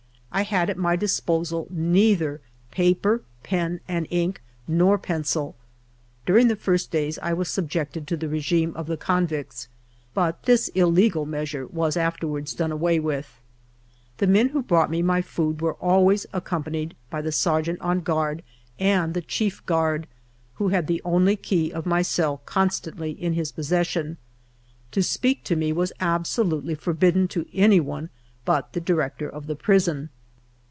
I had at my dis posal neither paper, pen and ink, nor pencil. During the first days I was subjected to the regime of the convicts, but this illegal measure was afterward done away with. The men who brought me my food were always accompanied by the sergeant on guard and the chief guard, who had the only key of my cell constantly in his possession. To speak to me was absolutely forbidden to anyone but the Director of the Prison.